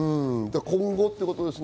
今後ということですね。